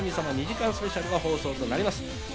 神様』２時間スペシャルが放送となります。